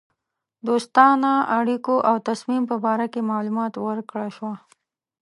دوستانه اړېکو او تصمیم په باره کې معلومات ورکړه شوه.